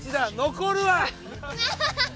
残るは。